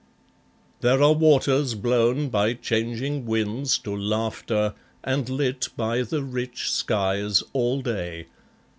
There are waters blown by changing winds to laughter And lit by the rich skies, all day.